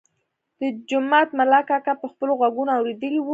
د جومات ملا کاکا په خپلو غوږونو اورېدلی و.